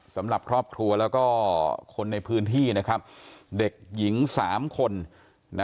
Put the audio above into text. สำหรับครอบครัวแล้วก็คนในพื้นที่นะครับเด็กหญิง๓คนนะ